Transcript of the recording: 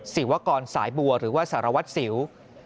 สิวะกรสายบัวหรือว่าสารวัติศิลป์